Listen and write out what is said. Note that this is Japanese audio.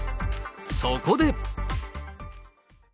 そこで。